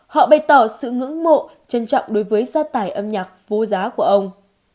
họ bày tỏ sự ngưỡng mộ trân trọng đối với gia tài âm nhạc vô giá của ông